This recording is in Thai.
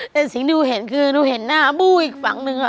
แต่สิ่งที่หนูเห็นคือหนูเห็นหน้าบู้อีกฝั่งนึง